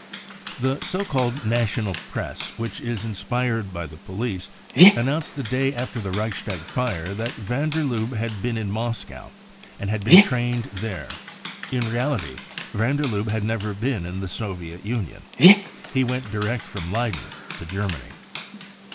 The so called national Press, which is inspired by the police, announced the day after the Reichstag fire that van der Lubbe ' had been in Moscow and had been trained there ; In reality van der Lubbe had never been in the Soviet Union. Pie went; direct from Leyden to Germany.